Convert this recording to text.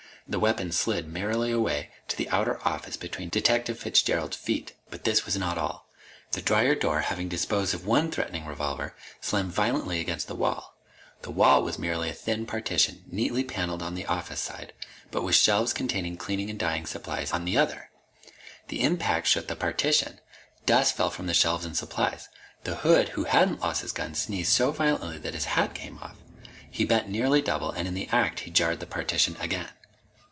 The weapon slid merrily away to the outer office between Detective Fitzgerald's feet. But this was not all. The dryer door, having disposed of one threatening revolver, slammed violently against the wall. The wall was merely a thin partition, neatly paneled on the office side, but with shelves containing cleaning and dyeing supplies on the other. The impact shook the partition. Dust fell from the shelves and supplies. The hood who hadn't lost his gun sneezed so violently that his hat came off. He bent nearly double, and in the act he jarred the partition again.